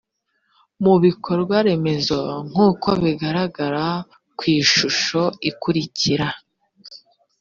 mu bikorwaremezo nk uko bigaragara ku ishusho ikurikira